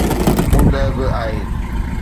اوندهه به آهي.